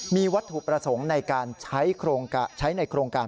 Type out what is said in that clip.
มีวัตถุประสงค์ในการใช้ในโครงการ